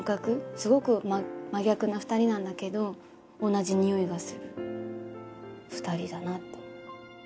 すごく真逆な２人なんだけど同じ匂いがする２人だなって思います